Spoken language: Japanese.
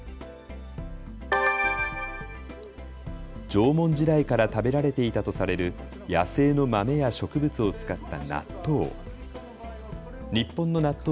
縄文時代から食べられていたとされる野生の豆や植物を使った納豆。